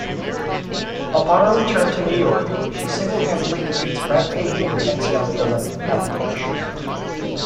Upon her return to New York, she single-handedly defeats rampaging X-Man villain Avalanche.